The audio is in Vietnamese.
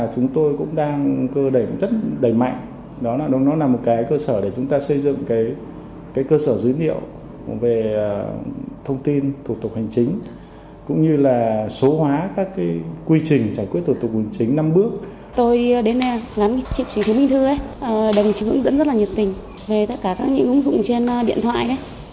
chú minh thư đồng chí hướng dẫn rất là nhiệt tình về tất cả các ứng dụng trên điện thoại